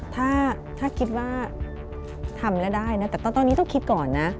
ถ้าคิดว่าทำแล้วได้นะแต่ตอนนี้ต้องคิดก่อนนะ